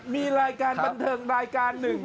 มีรายการบันเทิงรายการหนึ่ง